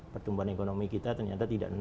pertumbuhan ekonomi kita ternyata tidak